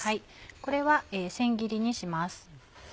これは千切りにします。